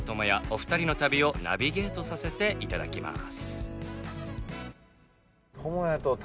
お二人の旅をナビゲートさせて頂きます。